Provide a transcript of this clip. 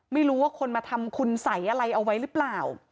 ไม่รู้ว่าคนมาทำคุณสัยอะไรเอาไว้หรือเปล่า